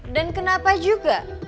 dan kenapa juga